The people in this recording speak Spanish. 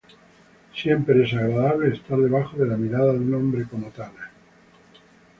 Siempre es agradable estar debajo de la mirada de un hombre como Tanner.